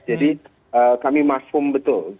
jadi kami maksum betul